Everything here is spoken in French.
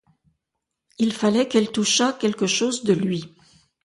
Il fallait qu'elle touchât quelque chose de lui.